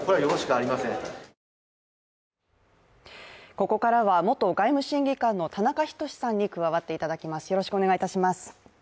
ここからは元外務審議官の田中均さんに加わっていただきます。